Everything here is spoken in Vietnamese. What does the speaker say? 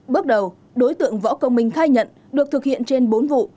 bước đầu đối tượng võ công minh khai nhận được thực hiện trên bốn vụ